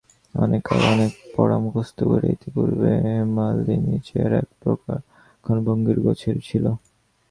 অনেক কাল অনেক পড়া মুখস্থ করিয়া ইতিপূর্বে হেমনলিনীর চেহারা একপ্রকার ক্ষণভঙ্গুর গোছের ছিল।